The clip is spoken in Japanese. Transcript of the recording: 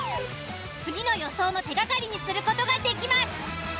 次の予想の手がかりにする事ができます。